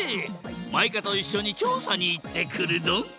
マイカといっしょにちょうさにいってくるドン！